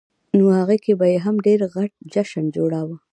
نوهغې کې به یې هم ډېر غټ جشن جوړاوه.